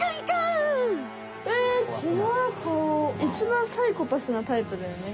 いちばんサイコパスなタイプだよね。